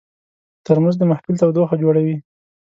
ترموز د محفل تودوخه جوړوي.